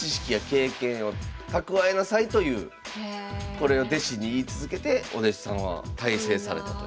これを弟子に言い続けてお弟子さんは大成されたという。